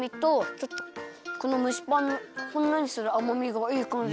ちょっとこのむしパンのほんのりするあまみがいいかんじに。